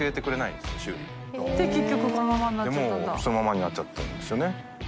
もうそのままになっちゃってるんですよね。